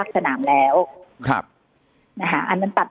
คุณแอ้มใช่ค่ะ